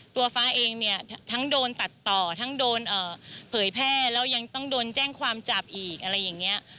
ฟ้าเองเนี่ยทั้งโดนตัดต่อทั้งโดนเผยแพร่แล้วยังต้องโดนแจ้งความจับอีกอะไรอย่างนี้